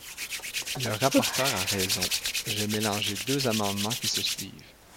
Le rapporteur a raison, j’ai mélangé deux amendements qui se suivent.